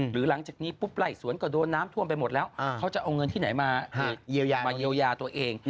หลังจากนี้ปุ๊บไล่สวนก็โดนน้ำท่วมไปหมดแล้วเขาจะเอาเงินที่ไหนมาเยียวยาตัวเอง